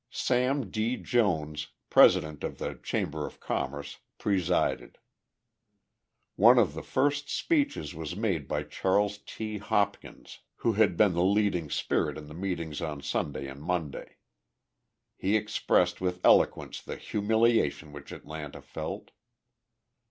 Sam D. Jones, president of the Chamber of Commerce, presided. One of the first speeches was made by Charles T. Hopkins, who had been the leading spirit in the meetings on Sunday and Monday. He expressed with eloquence the humiliation which Atlanta felt.